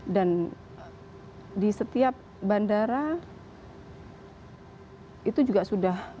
dan di setiap bandara itu juga sudah